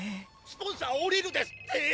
スポンサーをおりるですって！？